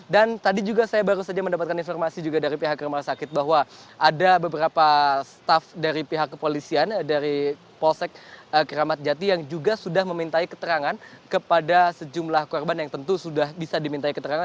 dan tadi juga saya baru saja mendapatkan informasi juga dari pihak kementerian pekerjaan umum bahwa ada beberapa staff dari pihak kepolisian dari polsek keramat jati yang juga sudah memintai keterangan kepada sejumlah korban yang tentu sudah bisa dimintai keterangan